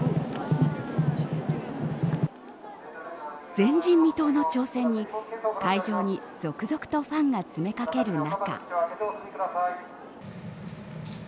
前人未踏の挑戦に会場に続々とファンが詰めかける中。